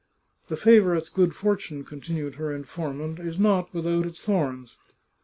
" The favourite's good fortune," continued her infor mant, " is not without its thorns.